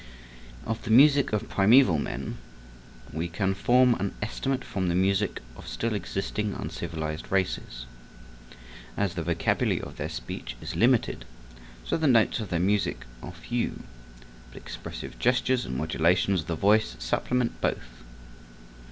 Of the music of primeval man we can form an estimate from the music of still existing uncivilized races. As the vocabulary of their speech is limited, so the notes of their music are few, but expressive gestures and modulations of the voice supplement both.